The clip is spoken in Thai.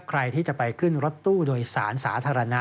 ใครที่จะไปขึ้นรถตู้โดยสารสาธารณะ